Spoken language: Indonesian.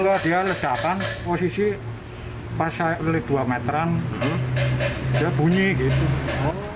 kalau dia ledakan posisi pas saya lilit dua meteran dia bunyi gitu